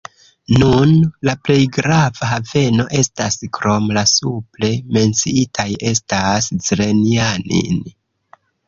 Nun la plej grava haveno estas krom la supre menciitaj estas Zrenjanin.